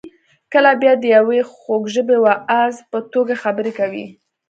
کله بیا د یوې خوږ ژبې واعظ په توګه خبرې کوي.